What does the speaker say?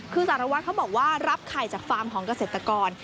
คือสารวัตรเขาบอกว่ารับไข่จากฟาร์มของเกษตรกร